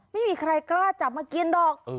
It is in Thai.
ไม่มีใครกล้าจับมากินหรอก